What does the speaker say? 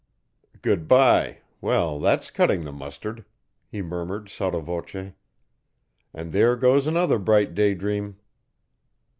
"Good bye! Well, that's cutting the mustard," he murmured sotto voce, "and there goes another bright day dream."